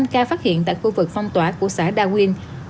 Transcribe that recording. năm ca phát hiện tại khu vực phong tỏa của xã đa nguyên